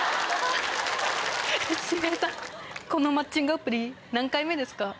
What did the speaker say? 周平さんこのマッチングアプリ何回目ですか？